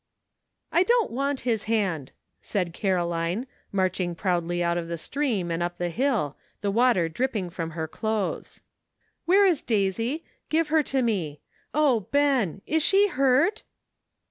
♦*I dpp't want Ids hand," paid Caroline. SOMETHING TO REMEMBER. 35 marching proudly out of the stream and up the hill, the water dripping from her clothes. " Where is Daisy? give her to me. O, Ben! is she hurt?"